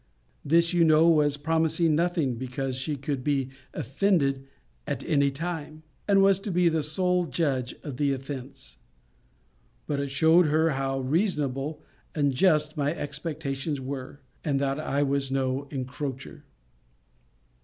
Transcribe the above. This, you know, was promising nothing, because she could be offended at any time, and was to be the sole judge of the offence. But it shewed her how reasonable and just my expectations were; and that I was no encroacher.